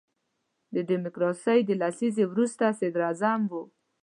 د ډیموکراسۍ د لسیزې وروستی صدر اعظم وو.